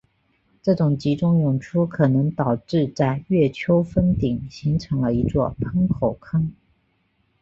这种集中涌出可能导致在月丘峰顶形成了一座喷口坑。